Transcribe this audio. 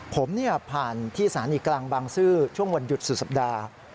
ผมผ่านที่สถานีกลางบางซื่อช่วงวันหยุดสุดสัปดาห์